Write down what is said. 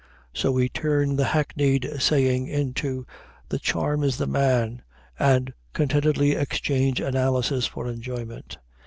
So we turn the hackneyed saying into "the charm is the man," and contentedly exchange analysis for enjoyment.